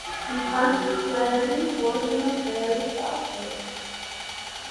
He consequently worked in a barrister's office.